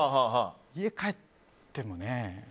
家帰ってもね。